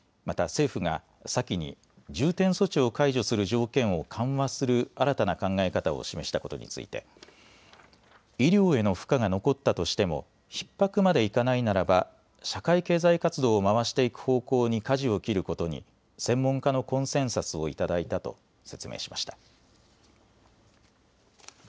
また政府が先に重点措置を解除する条件を緩和する新たな考え方を示したことについて医療への負荷が残ったとしてもひっ迫までいかないならば社会経済活動を回していく方向にかじを切ることに専門家のコンセンサスを頂いたと説明しました。